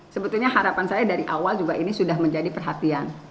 sebetulnya harapan saya dari awal juga ini sudah menjadi perhatian